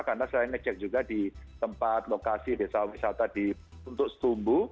karena saya ngecek juga di tempat lokasi desa wisata untuk setumbu